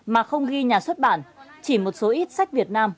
mà không ghi nhà xuất bản chỉ một số ít sách việt nam